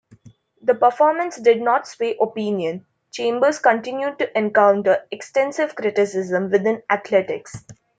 The performance did not sway opinion: Chambers continued to encounter extensive criticism within athletics.